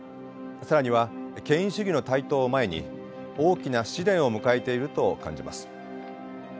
更には権威主義の台頭を前に大きな試練を迎えていると感じます。